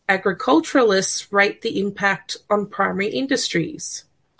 agrokulturalis melihat kesan pada industri utama